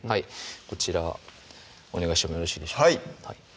こちらお願いしてもよろしいでしょうか